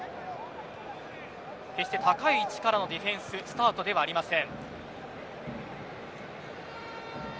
決して高い位置からのディフェンスではありません。